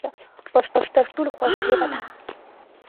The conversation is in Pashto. پښتو تر ټولو خوږه ژبه ده.